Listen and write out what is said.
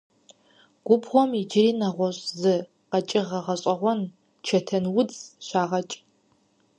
Губгъуэм иджыри нэгъуэщӀ зы къэкӀыгъэ гъэщӀэгъуэн – чэтэнудз - щагъэкӀ.